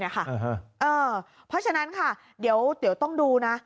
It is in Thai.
เพราะฉะนั้นค่ะเดี๋ยวต้องดูนะ